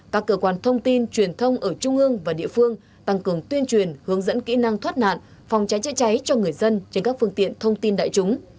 các cơ quan thông tin truyền thông ở trung ương và địa phương tăng cường tuyên truyền hướng dẫn kỹ năng thoát nạn phòng cháy chữa cháy cho người dân trên các phương tiện thông tin đại chúng